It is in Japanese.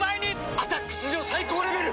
「アタック」史上最高レベル！